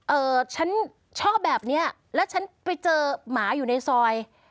เอ่อฉันชอบแบบเนี้ยแล้วฉันไปเจอหมาอยู่ในซอย